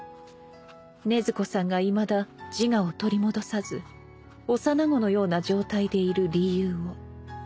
「禰豆子さんがいまだ自我を取り戻さず幼子のような状態でいる理由を」